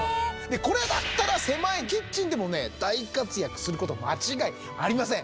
これだったら狭いキッチンでも大活躍すること間違いありません。